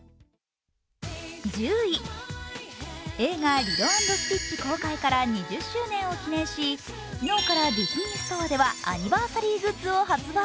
１０位、映画「リロ＆スティッチ」公開から２０周年を記念し昨日からディズニーストアではアニバーサリーグッズを発売。